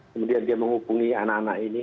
kemudian dia menghubungi anak anak ini